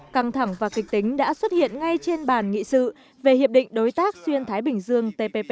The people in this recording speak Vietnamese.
căng thẳng và kịch tính đã xuất hiện